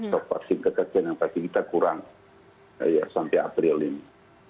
sok vaksin kekerjaan yang pasti kita kurang ya sampai april ini